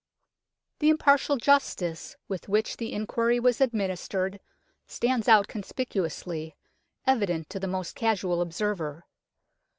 The impartial justice with which the in quiry was administered stands out conspicuously, evident to the most casual observer.